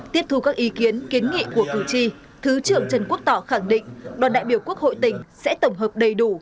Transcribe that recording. tiếp thu các ý kiến kiến nghị của cử tri thứ trưởng trần quốc tỏ khẳng định đoàn đại biểu quốc hội tỉnh sẽ tổng hợp đầy đủ